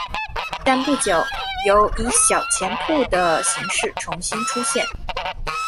但不久有以小钱铺的形式重新出现。